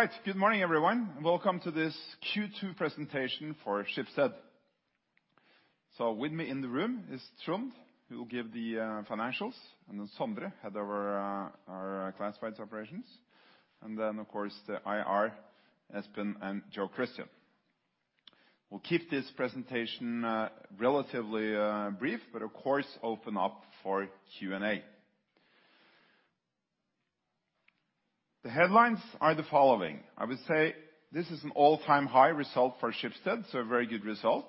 Right. Good morning, everyone, welcome to this Q2 presentation for Schibsted. With me in the room is Trond, who will give the financials, Sondre, head of our classifieds operations, of course the IR, Espen and Jo Christian. We'll keep this presentation relatively brief, but of course open up for Q&A. The headlines are the following. I would say this is an all-time high result for Schibsted, so a very good result.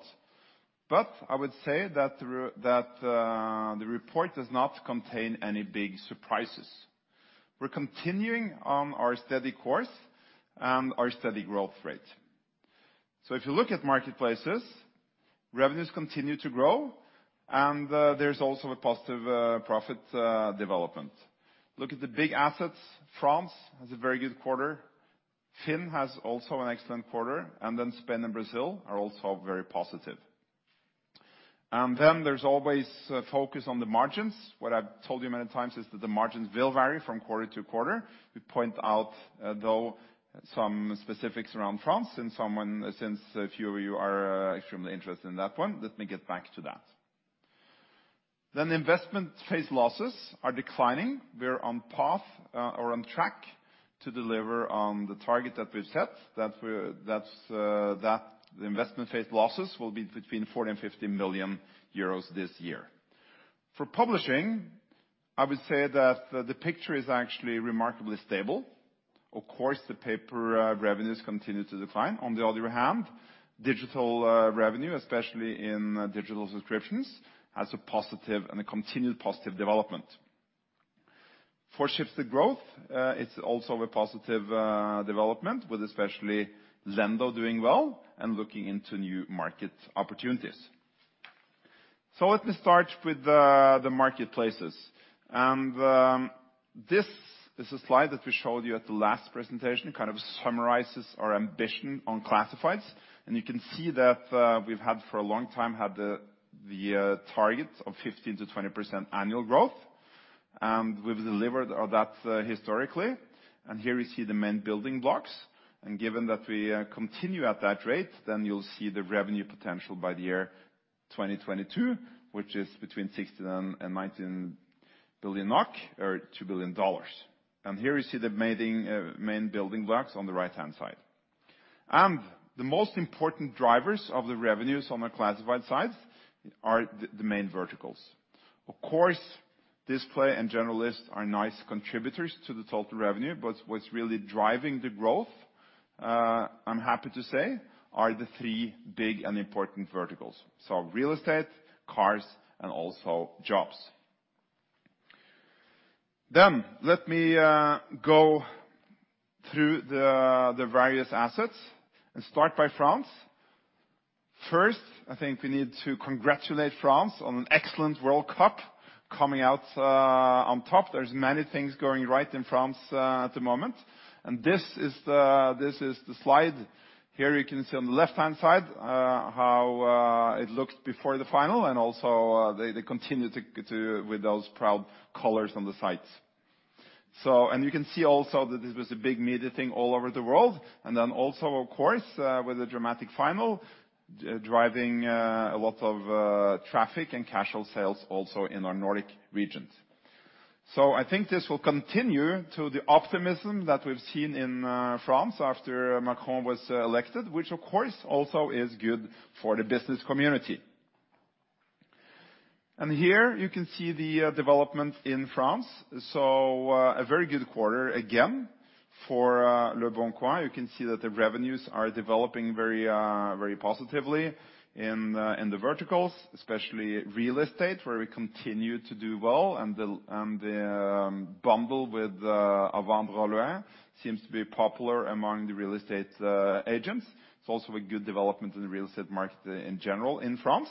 I would say that the report does not contain any big surprises. We're continuing on our steady course and our steady growth rate. If you look at marketplaces, revenues continue to grow, and there's also a positive profit development. Look at the big assets. France has a very good quarter. FINN has also an excellent quarter. Spain and Brazil are also very positive. There's always focus on the margins. What I've told you many times is that the margins will vary from quarter to quarter. We point out, though, some specifics around France since a few of you are extremely interested in that one, let me get back to that. Investment phase losses are declining. We're on path or on track to deliver on the target that we've set, that the investment phase losses will be between 40 million-50 million euros this year. For publishing, I would say that the picture is actually remarkably stable. Of course, the paper revenues continue to decline. On the other hand, digital revenue, especially in digital subscriptions, has a positive and a continued positive development. For Schibsted Growth, it's also a positive development, with especially Lendo doing well and looking into new market opportunities. Let me start with the marketplaces. This is a slide that we showed you at the last presentation, kind of summarizes our ambition on classifieds. You can see that we've had for a long time had the target of 15%-20% annual growth, and we've delivered all that historically. Here we see the main building blocks. Given that we continue at that rate, then you'll see the revenue potential by the year 2022, which is between 16 billion and 19 billion NOK or $2 billion. Here you see the main building blocks on the right-hand side. The most important drivers of the revenues on the classified side are the main verticals. Of course, display and general list are nice contributors to the total revenue, but what's really driving the growth, I'm happy to say, are the three big and important verticals: so real estate, cars, and also jobs. Let me go through the various assets and start by France. I think we need to congratulate France on an excellent World Cup coming out on top. There's many things going right in France at the moment. This is the slide. Here you can see on the left-hand side, how it looked before the final, and also, they continue to with those proud colors on the sides. You can see also that this was a big media thing all over the world, then also, of course, with a dramatic final, driving a lot of traffic and casual sales also in our Nordic regions. I think this will continue to the optimism that we've seen in France after Macron was elected, which of course also is good for the business community. Here you can see the development in France. A very good quarter again for Leboncoin. You can see that the revenues are developing very, very positively in the verticals, especially real estate, where we continue to do well and the bundle with A Vendre A Louer seems to be popular among the real estate agents. It's also a good development in the real estate market in general in France.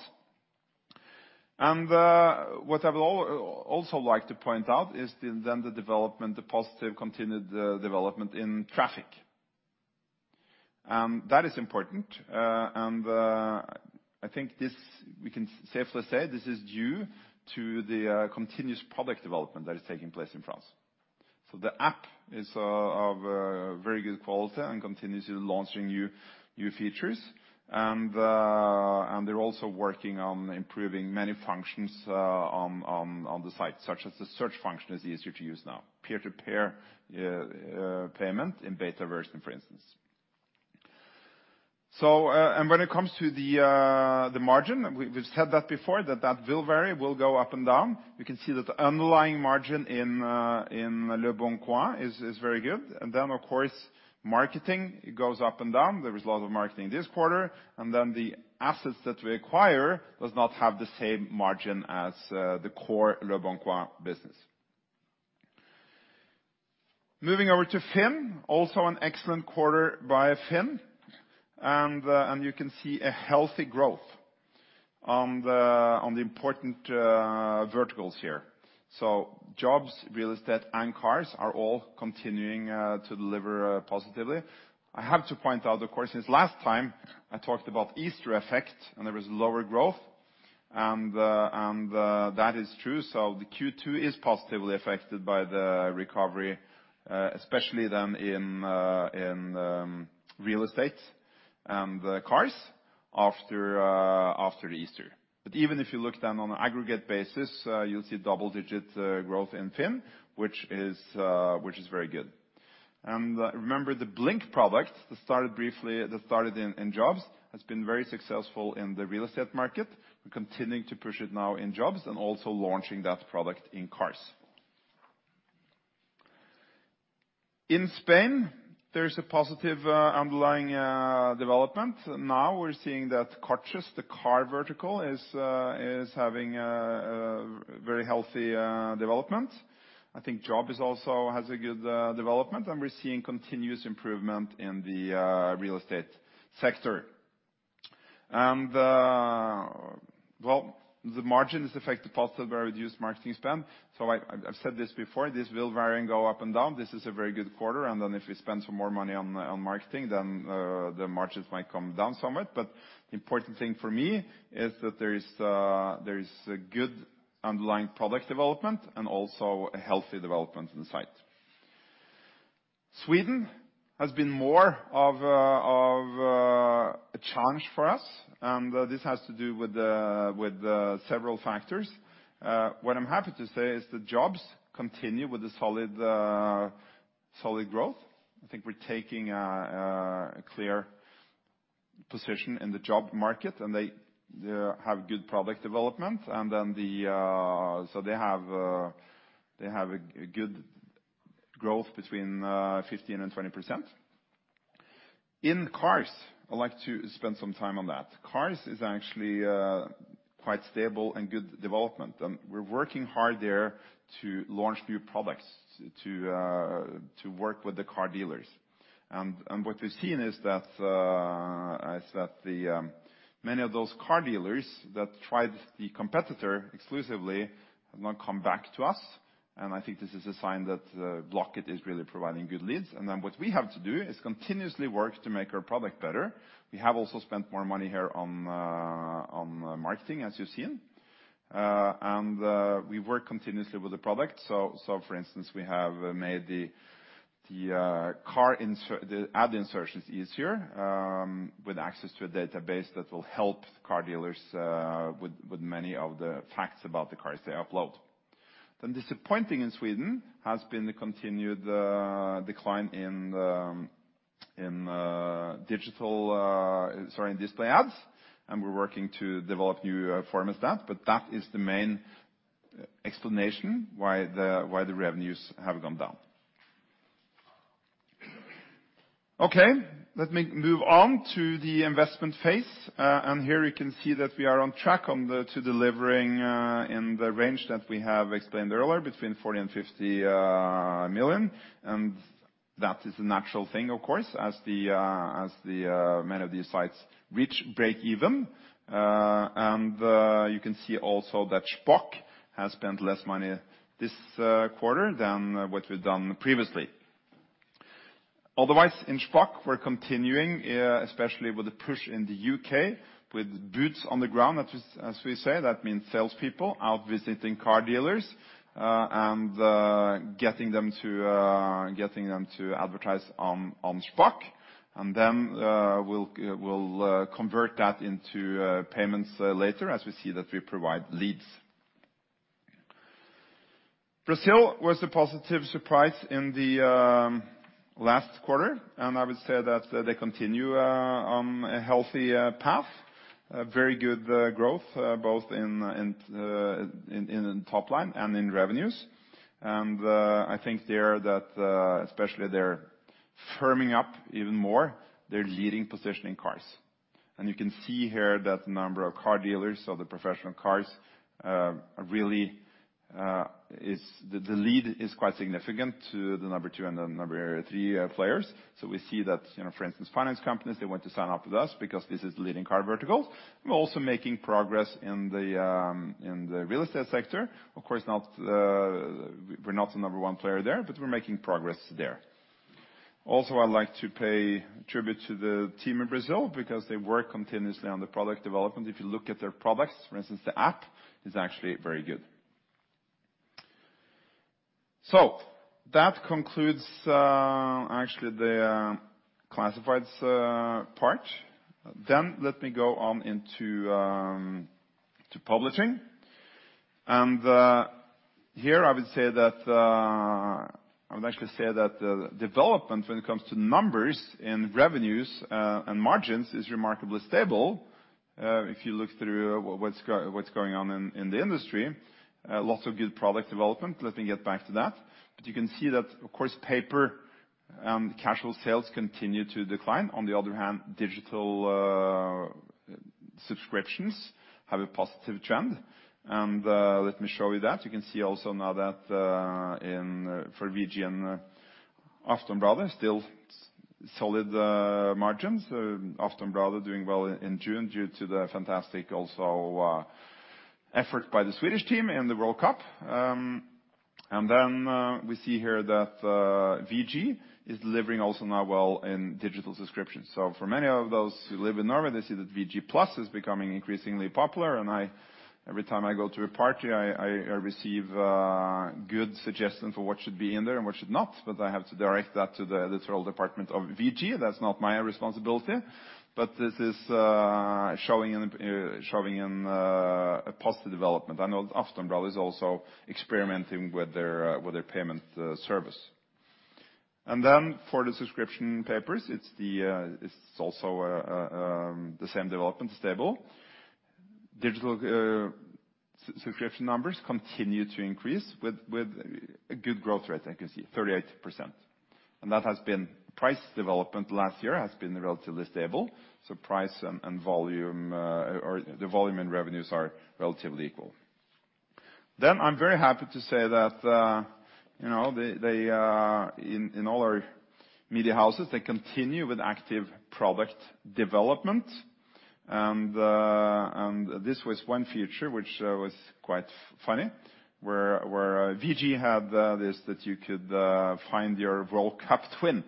What I would also like to point out is the then the development, the positive continued development in traffic. That is important. I think this, we can safely say this is due to the continuous product development that is taking place in France. The app is of very good quality and continues to launching new features. They're also working on improving many functions on the site, such as the search function is easier to use now. Peer-to-peer payment in beta version, for instance. When it comes to the margin, we've said that before, that that will vary, will go up and down. We can see that the underlying margin in Leboncoin is very good. Of course, marketing, it goes up and down. There is a lot of marketing this quarter. The assets that we acquire does not have the same margin as the core Leboncoin business. Moving over to FINN, also an excellent quarter by FINN. You can see a healthy growth on the, on the important verticals here. Jobs, real estate, and cars are all continuing to deliver positively. I have to point out, of course, since last time, I talked about Easter effect and there was lower growth. That is true. The Q2 is positively affected by the recovery, especially then in real estate and the cars after Easter. Even if you look down on an aggregate basis, you'll see double-digit growth in FINN, which is very good. Remember, the Blink product that started in jobs has been very successful in the real estate market. We're continuing to push it now in jobs and also launching that product in cars. In Spain, there's a positive underlying development. We're seeing that Coches, the car vertical, is having a very healthy development. I think jobs is also has a good development, and we're seeing continuous improvement in the real estate sector. Well, the margin is affected positively by reduced marketing spend. I've said this before, this will vary and go up and down. This is a very good quarter. If we spend some more money on marketing, the margins might come down somewhat. Important thing for me is that there is a good underlying product development and also a healthy development in the site. Sweden has been more of a challenge for us, and this has to do with several factors. What I'm happy to say is that jobs continue with a solid growth. I think we're taking a clear position in the job market, and they have good product development. They have a good growth between 15% and 20%. In Cars, I'd like to spend some time on that. Cars is actually quite stable and good development. We're working hard there to launch new products to work with the car dealers. What we've seen is that the many of those car dealers that tried the competitor exclusively have now come back to us, and I think this is a sign that Blocket is really providing good leads. What we have to do is continuously work to make our product better. We have also spent more money here on marketing, as you've seen. We work continuously with the product. For instance, we have made the car insert, the ad insertions easier, with access to a database that will help car dealers with many of the facts about the cars they upload. Disappointing in Sweden has been the continued decline in digital, sorry, in display ads. We're working to develop new forms of that, but that is the main explanation why the revenues have gone down. Okay, let me move on to the investment phase. Here you can see that we are on track to delivering in the range that we have explained earlier, between 40 million and 50 million. That is a natural thing, of course, as many of these sites reach breakeven. You can see also that Shpock has spent less money this quarter than what we've done previously. Otherwise, in Shpock, we're continuing especially with the push in the U.K. with boots on the ground, as we say. That means salespeople out visiting car dealers, and getting them to advertise on Shpock. Then we'll convert that into payments later as we see that we provide leads. Brazil was a positive surprise in the last quarter, and I would say that they continue on a healthy path. A very good growth both in top line and in revenues. I think there that especially they're firming up even more their leading position in cars. You can see here that the number of car dealers, so the professional cars, really is. The lead is quite significant to the number two and the number three players. We see that, for instance, finance companies, they want to sign up with us because this is leading car verticals. We're also making progress in the real estate sector. Of course not, we're not the number one player there, but we're making progress there. Also, I'd like to pay tribute to the team in Brazil because they work continuously on the product development. If you look at their products, for instance, the app is actually very good. That concludes, actually the classifieds part. Let me go on into to publishing. Here I would say that I would actually say that the development when it comes to numbers in revenues and margins is remarkably stable, if you look through what's going on in the industry. Lots of good product development. Let me get back to that. You can see that, of course, paper and casual sales continue to decline. On the other hand, digital subscriptions have a positive trend. Let me show you that. You can see also now that, in, for VG and Aftonbladet still solid margins. Aftonbladet doing well in June due to the fantastic also effort by the Swedish team in the World Cup. We see here that VG is delivering also now well in digital subscriptions. For many of those who live in Norway, they see that VG+ is becoming increasingly popular. I, every time I go to a party, I receive good suggestions for what should be in there and what should not. I have to direct that to the editorial department of VG. That's not my responsibility. This is showing a positive development. I know Aftonbladet is also experimenting with their payment service. For the subscription papers, it's also the same development, stable. Digital subscription numbers continue to increase with a good growth rate, I can see, 38%. That has been price development last year has been relatively stable. Price and volume, or the volume in revenues are relatively equal. I'm very happy to say that they, in all our media houses, they continue with active product development. This was one feature which was quite funny, where VG had this, that you could find your World Cup twin.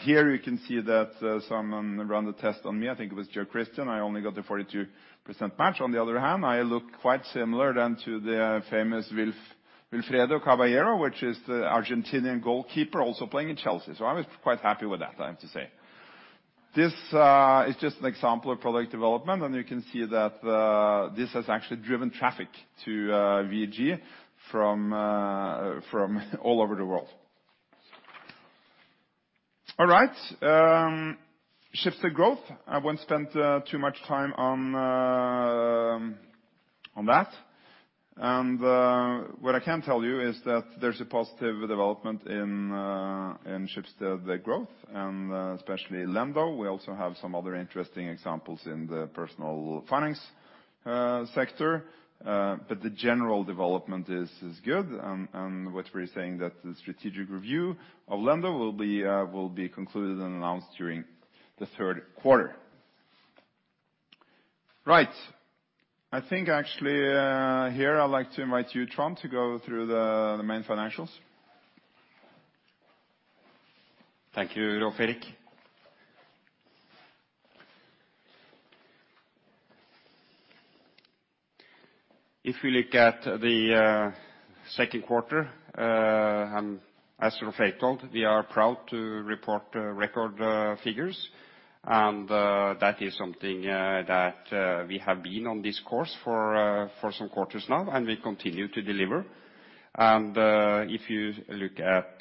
Here you can see that someone ran the test on me, I think it was Jo Christian. I only got a 42% match. On the other hand, I look quite similar than to the famous Wilfredo Caballero, which is the Argentinian goalkeeper also playing in Chelsea. I was quite happy with that, I have to say. This is just an example of product development, and you can see that this has actually driven traffic to VG from all over the world. All right. Schibsted Growth. I won't spend too much time on that. What I can tell you is that there's a positive development in Schibsted Growth and especially Lendo. We also have some other interesting examples in the personal finance sector. The general development is good. What we're saying that the strategic review of Lendo will be concluded and announced during the third quarter. Right. I think actually, here I'd like to invite you, Trond, to go through the main financials. Thank you, Rolv Erik. If we look at the second quarter, as Rolv Erik told, we are proud to report record figures. That is something that we have been on this course for for some quarters now, and we continue to deliver. If you look at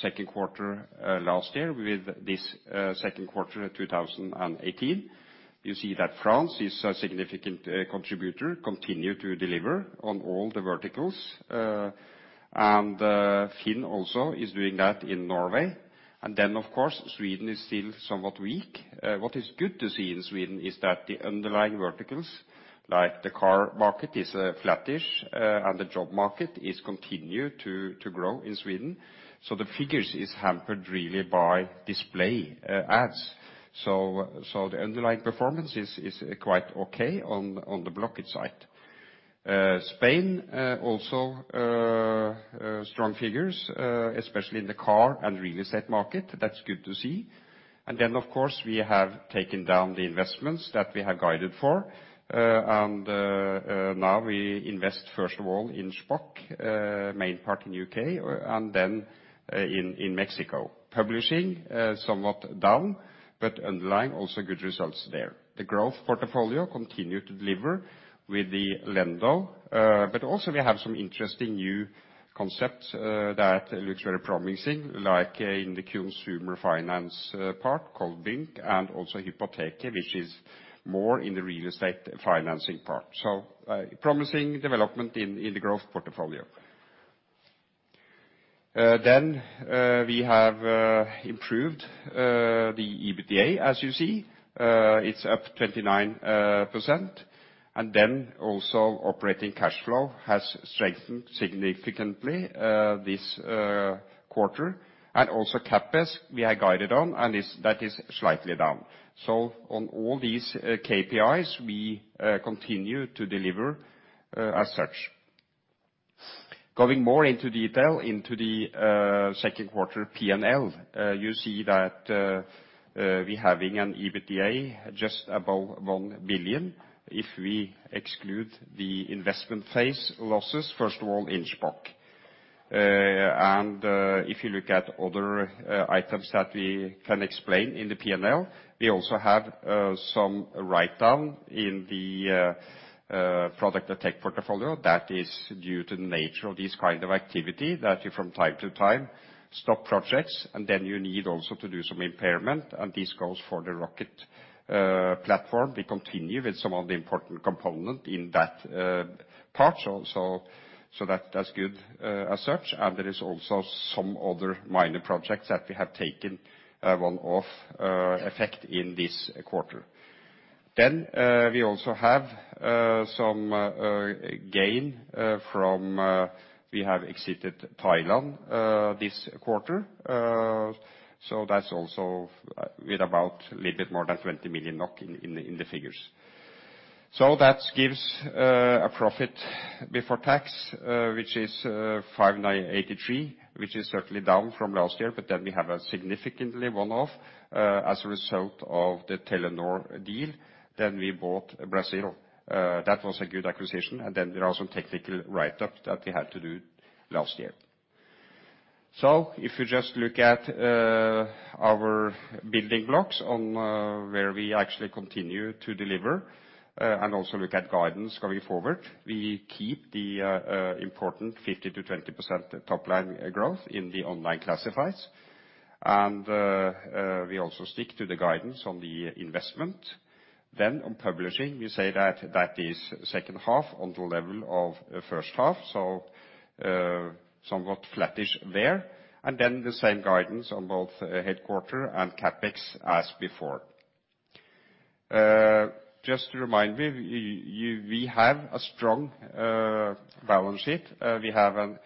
second quarter last year with this second quarter 2018, you see that France is a significant contributor, continue to deliver on all the verticals. FINN also is doing that in Norway. Of course, Sweden is still somewhat weak. What is good to see in Sweden is that the underlying verticals, like the car market, is flattish, and the job market is continue to grow in Sweden. The figures is hampered really by display ads. The underlying performance is quite okay on the Blocket site. Spain also strong figures, especially in the car and real estate market. That's good to see. Of course, we have taken down the investments that we have guided for. Now we invest, first of all, in Shpock, main part in U.K., and then in Mexico. Publishing somewhat down, but underlying, also good results there. The Growth portfolio continue to deliver with the Lendo. Also we have some interesting new concepts that looks very promising, like in the consumer finance part, Bynk, and also Hypoteket, which is more in the real estate financing part. Promising development in the Growth portfolio. We have improved the EBITDA. As you see, it's up 29%. Operating cash flow has strengthened significantly this quarter. CapEx we are guided on, and is, that is slightly down. On all these KPIs, we continue to deliver as such. Going more into detail into the second quarter P&L, you see that we having an EBITDA just above 1 billion if we exclude the investment phase losses, first of all, in Shpock. If you look at other items that we can explain in the P&L, we also have some write-down in the product tech portfolio. That is due to the nature of this kind of activity, that you from time to time stop projects, and then you need also to do some impairment, and this goes for the Rocket platform. We continue with some of the important component in that part, so that's good as such. There is also some other minor projects that we have taken one off effect in this quarter. We also have some gain from we have exited Thailand this quarter. That's also with about a little bit more than 20 million NOK in the figures. That gives a profit before tax, which is 5,983, which is certainly down from last year. We have a significantly one-off as a result of the Telenor deal. We bought Brazil. That was a good acquisition, and then there are some technical writeup that we had to do last year. If you just look at our building blocks on where we actually continue to deliver, and also look at guidance going forward, we keep the important 15%-20% top line growth in the online classifieds. We also stick to the guidance on the investment. On publishing, we say that that is second half on the level of first half, so somewhat flattish there. The same guidance on both headquarter and CapEx as before. Just to remind you, we have a strong balance sheet. We have a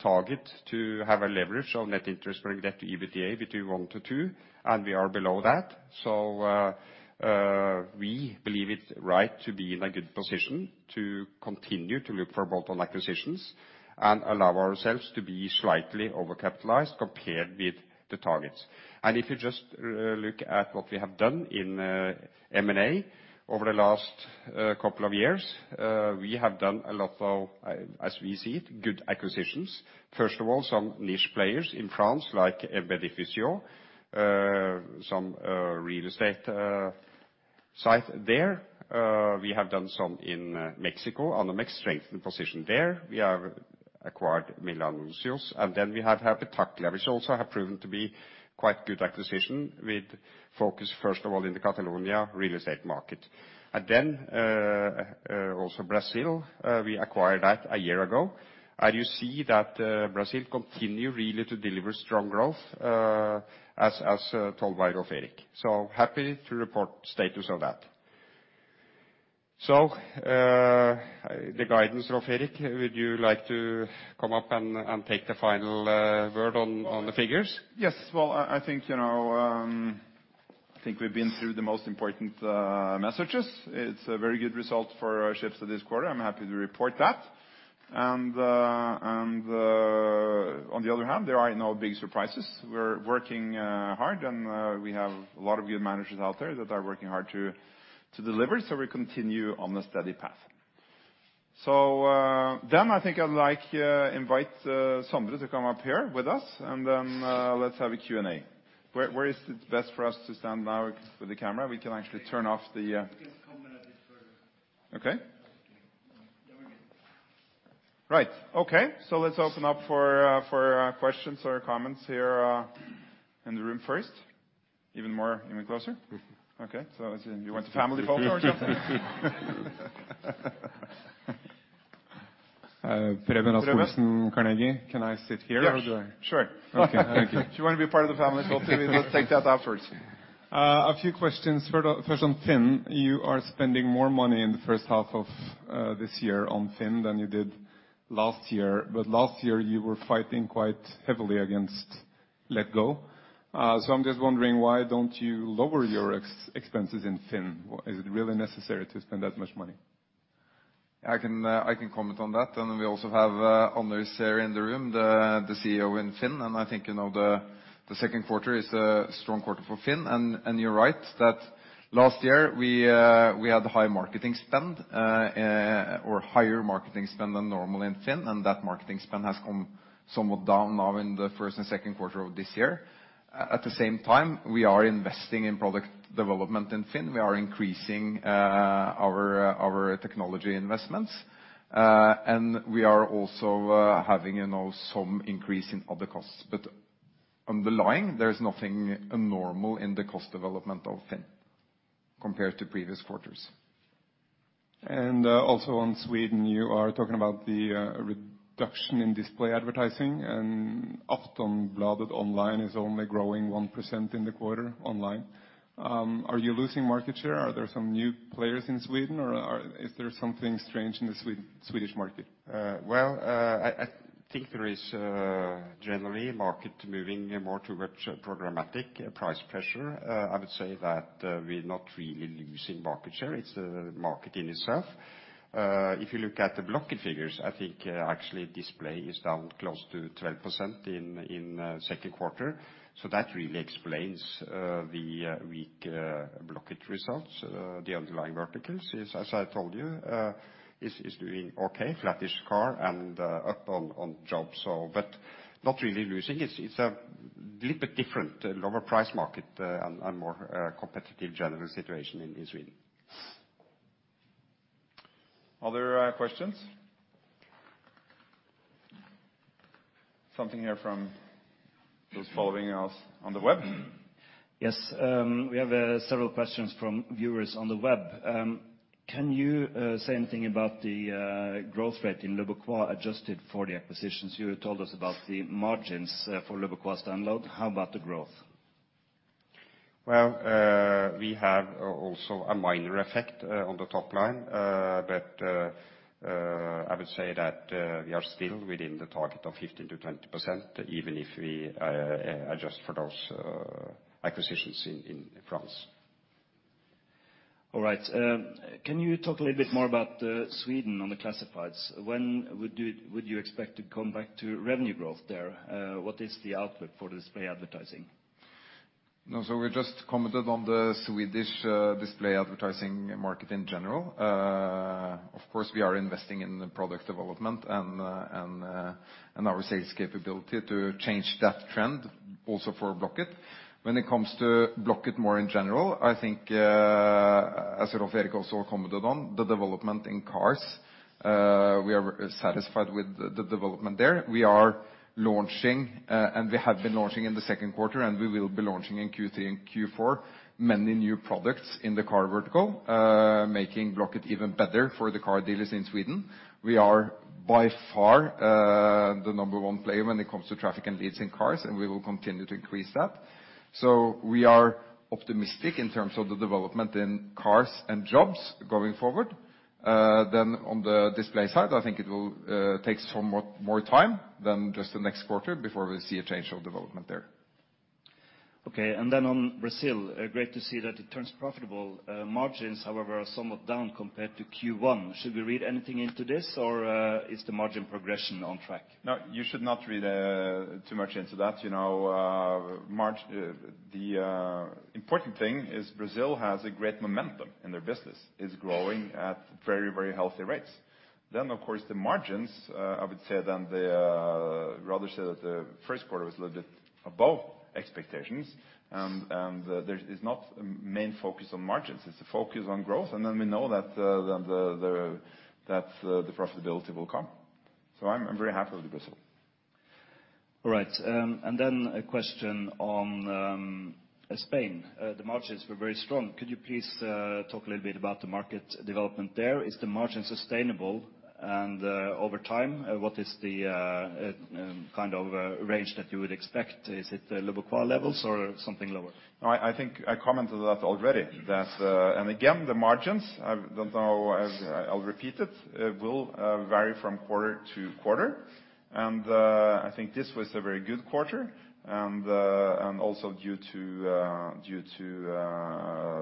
target to have a leverage of Net debt to EBITDA between 1-2, and we are below that. We believe it's right to be in a good position to continue to look for bolt-on acquisitions and allow ourselves to be slightly overcapitalized compared with the targets. If you just look at what we have done in M&A over the last couple of years, we have done a lot of, as we see it, good acquisitions. First of all, some niche players in France, like Bien'ici, some real estate site there. We have done some in Mexico on the next strengthen position there. We have acquired Milanuncios. We have had Habitaclia, which also have proven to be quite good acquisition, with focus first of all in the Catalonia real estate market. Also Brazil, we acquired that a year ago. You see that Brazil continue really to deliver strong growth, as, told by Rolv Erik. Happy to report status of that. The guidance, Rolv Erik, would you like to come up and take the final word on the figures? Yes. Well, I think we've been through the most important messages. It's a very good result for Schibsted this quarter. I'm happy to report that. On the other hand, there are no big surprises. We're working hard, and we have a lot of good managers out there that are working hard to deliver. We continue on the steady path. Then I think I'd like invite Sondre to come up here with us, then let's have a Q&A. Where is it best for us to stand now with the camera? We can actually turn off the. Just come a bit further. Okay. Yeah, we're good. Right. Okay. Let's open up for questions or comments here in the room first. Even more, even closer? Okay. You want a family photo or something? Preben Rasch-Olsen, Carnegie. Can I sit here? Yes. Or do I- Sure. Okay. Thank you. If you want to be part of the family photo, we will take that afterwards. A few questions. First on FINN. You are spending more money in the first half of this year on FINN than you did last year. Last year, you were fighting quite heavily against letgo. I'm just wondering, why don't you lower your expenses in FINN? Is it really necessary to spend that much money? I can comment on that. We also have Anders here in the room, the CEO in FINN. I think the second quarter is a strong quarter for FINN. You're right that last year we had high marketing spend or higher marketing spend than normal in FINN, and that marketing spend has come somewhat down now in the first and second quarter of this year. At the same time, we are investing in product development in FINN. We are increasing our technology investments, and we are also having some increase in other costs. Underlying, there's nothing abnormal in the cost development of FINN compared to previous quarters. Also on Sweden, you are talking about the reduction in display advertising, and Aftonbladet online is only growing 1% in the quarter online. Are you losing market share? Are there some new players in Sweden or is there something strange in the Swedish market? Well, I think there is generally market moving more towards programmatic price pressure. I would say that we're not really losing market share. It's the market in itself. If you look at the Blocket figures, I think actually display is down close to 12% in second quarter. That really explains the weak Blocket results. The underlying verticals is, as I told you, is doing okay, flattish car and up on jobs. Not really losing. It's a little bit different, lower price market, and more competitive general situation in Sweden. Other questions? Something here from those following us on the web. Yes. We have several questions from viewers on the web. Can you say anything about the growth rate in Leboncoin adjusted for the acquisitions? You told us about the margins for Leboncoin standalone. How about the growth? We have also a minor effect on the top line. I would say that we are still within the target of 15%-20%, even if we adjust for those acquisitions in France. All right, can you talk a little bit more about Sweden on the classifieds? When would you expect to come back to revenue growth there? What is the output for display advertising? We just commented on the Swedish display advertising market in general. Of course, we are investing in the product development and our sales capability to change that trend also for Blocket. When it comes to Blocket more in general, I think, as Rolv Erik also commented on, the development in cars, we are satisfied with the development there. We are launching, and we have been launching in the second quarter, and we will be launching in Q3 and Q4 many new products in the car vertical, making Blocket even better for the car dealers in Sweden. We are, by far, the number one player when it comes to traffic and leads in cars, and we will continue to increase that. We are optimistic in terms of the development in cars and jobs going forward. On the display side, I think it will takes somewhat more time than just the next quarter before we see a change of development there. Okay. On Brazil, great to see that it turns profitable. Margins, however, are somewhat down compared to Q1. Should we read anything into this? Is the margin progression on track? No, you should not read too much into that. You know, the important thing is Brazil has a great momentum in their business, is growing at very, very healthy rates. Of course, the margins, I would say then the, rather say that the first quarter was a little bit above expectations. There's is not main focus on margins, it's a focus on growth, and then we know that the profitability will come. I'm very happy with Brazil. All right. A question on Spain. The margins were very strong. Could you please talk a little bit about the market development there? Is the margin sustainable? Over time, what is the kind of a range that you would expect? Is it the Leboncoin levels or something lower? No, I think I commented that already. That, and again, the margins, I don't know, I'll repeat it will vary from quarter to quarter. I think this was a very good quarter. Also due to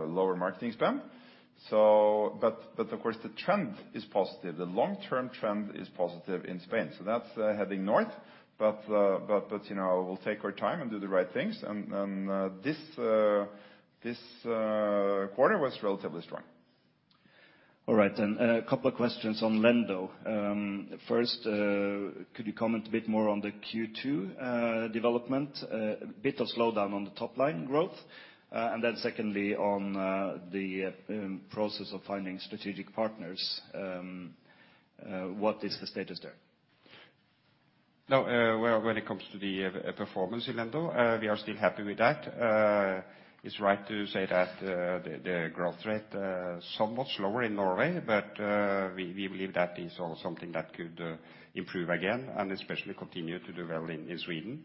lower marketing spend. Of course, the trend is positive. The long-term trend is positive in Spain. That's heading north. We'll take our time and do the right things. This quarter was relatively strong. All right. A couple of questions on Lendo. First, could you comment a bit more on the Q2 development? A bit of slowdown on the top line growth. Secondly, on the process of finding strategic partners, what is the status there? No. Well, when it comes to the performance in Lendo, we are still happy with that. It's right to say that the growth rate somewhat slower in Norway, but we believe that is all something that could improve again, and especially continue to do well in Sweden.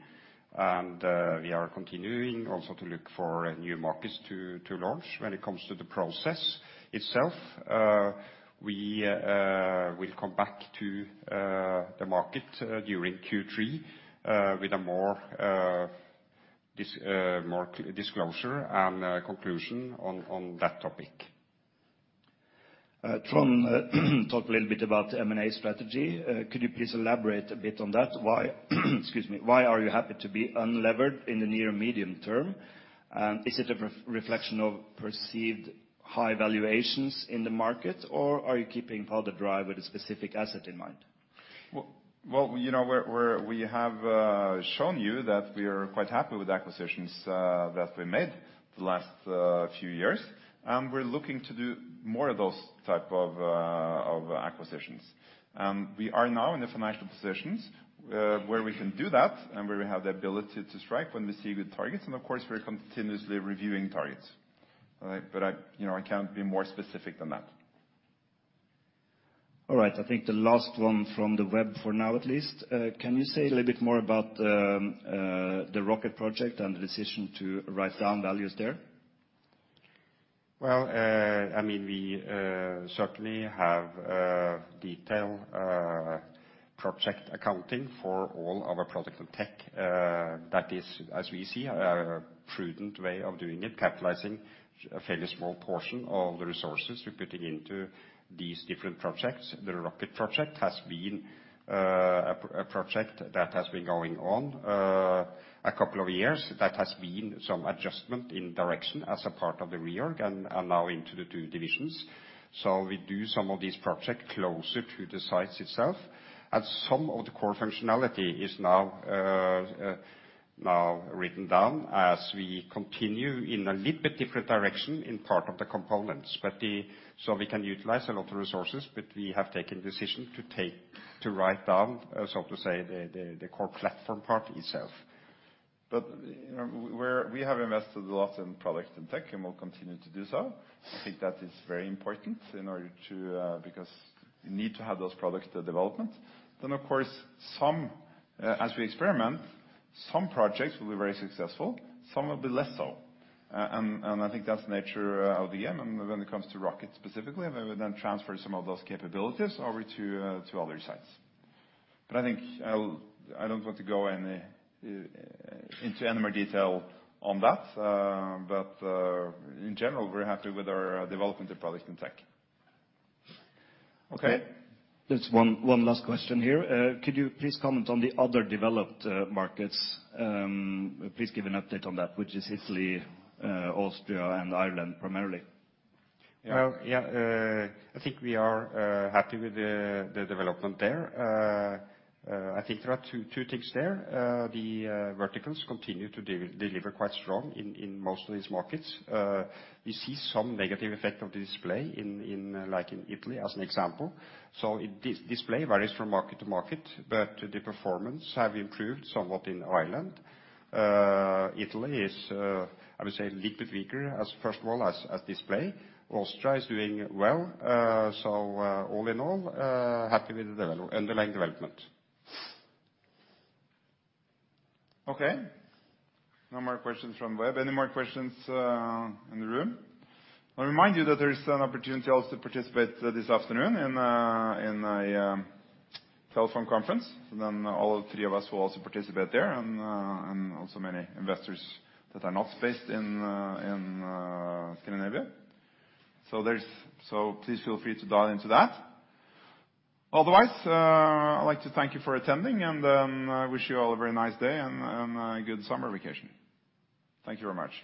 We are continuing also to look for new markets to launch. When it comes to the process itself, we will come back to the market during Q three with a more disclosure and conclusion on that topic. Trond, talk a little bit about the M&A strategy. Could you please elaborate a bit on that? Why are you happy to be unlevered in the near medium term? Is it a reflection of perceived high valuations in the market, or are you keeping part of the drive with a specific asset in mind? Well, we're, we have shown you that we are quite happy with acquisitions that we made the last few years. We're looking to do more of those type of acquisitions. We are now in the financial positions where we can do that, and where we have the ability to strike when we see good targets, and of course, we're continuously reviewing targets. All right, I can't be more specific than that. All right. I think the last one from the web for now at least. Can you say a little bit more about the Rocket Project and the decision to write down values there? Well, I mean, we certainly have detail project accounting for all our product and tech. That is, as we see, a prudent way of doing it, capitalizing a fairly small portion of the resources we're putting into these different projects. The Rocket Project has been a project that has been going on a couple of years, that has been some adjustment in direction as a part of the reorg and now into the two divisions. We do some of these project closer to the sites itself, and some of the core functionality is now written down as we continue in a little bit different direction in part of the components. The. We can utilize a lot of resources, but we have taken decision to write down, so to say, the core platform part itself. We have invested a lot in product and tech, and we'll continue to do so. I think that is very important in order to, because you need to have those products to development. Of course, some, as we experiment, some projects will be very successful, some will be less so. I think that's the nature of VM. When it comes to Rocket specifically, we would then transfer some of those capabilities over to other sites. I think I'll, I don't want to go any, into any more detail on that. In general, we're happy with our development in product and tech. Okay. There's one last question here. Could you please comment on the other developed markets? Please give an update on that, which is Italy, Austria and Ireland primarily. Well, yeah. I think we are happy with the development there. I think there are two things there. The verticals continue to deliver quite strong in most of these markets. We see some negative effect of the display in, like in Italy as an example. It display varies from market to market, but the performance have improved somewhat in Ireland. Italy is I would say a little bit weaker, as first of all, as display. Austria is doing well. All in all, happy with the underlying development. Okay. No more questions from web. Any more questions in the room? I'll remind you that there is an opportunity also to participate this afternoon in a telephone conference. All three of us will also participate there, and also many investors that are not based in Scandinavia. Please feel free to dial into that. Otherwise, I'd like to thank you for attending and wish you all a very nice day and a good summer vacation. Thank you very much.